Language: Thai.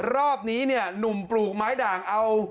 รอบในนุ่มปลูกไม้ด่างเอา